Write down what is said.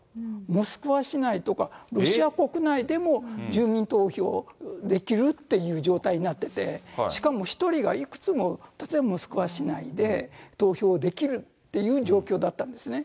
モスクワ市内とか、ロシア国内でも住民投票できるっていう状態になってて、しかも１人がいくつも、例えばモスクワ市内で投票できるっていう状況だったんですね。